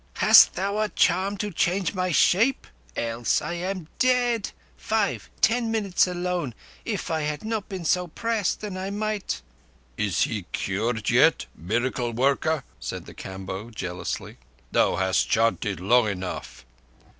"Hast thou a charm to change my shape? Else I am dead. Five—ten minutes alone, if I had not been so pressed, and I might—" "Is he cured yet, miracle worker?" said the Kamboh jealously. "Thou hast chanted long enough."